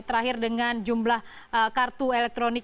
terakhir dengan jumlah kartu elektronik